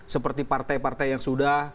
seperti partai partai yang sudah